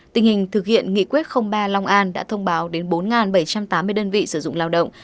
tình hình thực hiện nghị quyết ba long an đã thông báo đến bốn bảy trăm tám mươi đơn vị sử dụng lao động